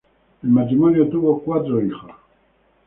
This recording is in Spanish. El matrimonio tuvo cuatro hijos.